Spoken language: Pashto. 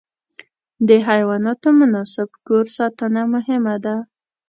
د حیواناتو مناسب کور ساتنه مهمه ده.